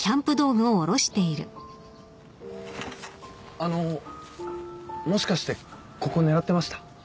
あのもしかしてここ狙ってました？